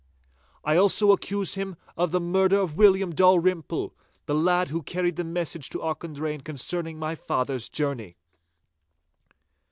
I also accuse him of the murder of William Dalrymple, the lad who carried the message to Auchendrayne concerning my father's journey.